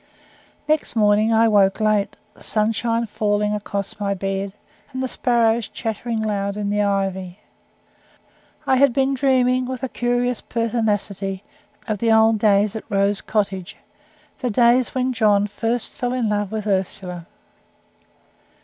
Next morning, I woke late; the sunshine falling across my bed, and the sparrows chattering loud in the ivy. I had been dreaming, with a curious pertinacity, of the old days at Rose Cottage, the days when John first fell in love with Ursula.